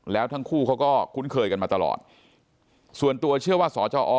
แล้วทั้งคู่เขาก็คุ้นเคยกันมาตลอดส่วนตัวเชื่อว่าสจอ